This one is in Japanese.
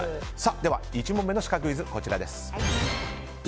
１問目のシカクイズこちらです。